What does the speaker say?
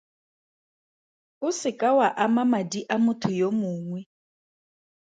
O se ka wa ama madi a motho yo mongwe.